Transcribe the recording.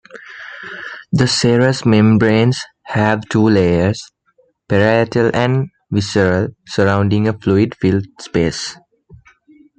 The serous membranes have two layers, parietal and visceral, surrounding a fluid filled space.